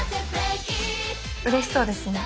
うれしそうですね。